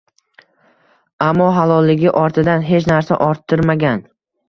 Ammo halolligi ortidan hech narsa orttirmagan.